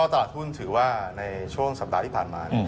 ตลาดหุ้นถือว่าในช่วงสัปดาห์ที่ผ่านมา